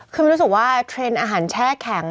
คือมันรู้สึกว่าเทรนด์อาหารแช่แข็ง